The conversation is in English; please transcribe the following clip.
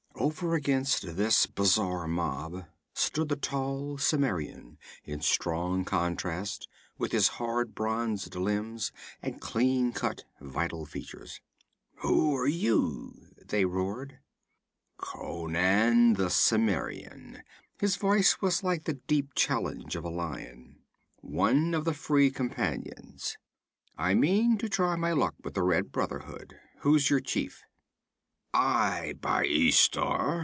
Over against this bizarre mob stood the tall Cimmerian in strong contrast with his hard bronzed limbs and clean cut vital features. 'Who are you?' they roared. 'Conan the Cimmerian!' His voice was like the deep challenge of a lion. 'One of the Free Companions. I mean to try my luck with the Red Brotherhood. Who's your chief?' 'I, by Ishtar!'